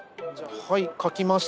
はい書きました。